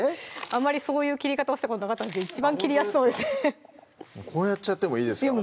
あまりそういう切り方をしたことなかったので一番切りやすそうでこうやっちゃってもいいですか？